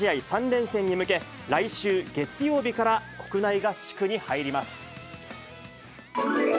３連戦に向け、来週月曜日から国内合宿に入ります。